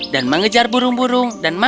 dan mengejar burung burung dan berjalan